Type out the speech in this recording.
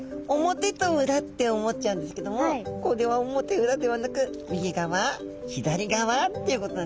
表と裏って思っちゃうんですけどもこれは表裏ではなく右側左側っていうことなんですね。